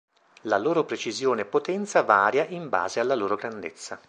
La loro precisione e potenza varia in base alla loro grandezza.